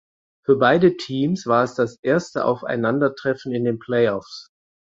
Für beide Teams war es das erste Aufeinandertreffen in den Playoffs.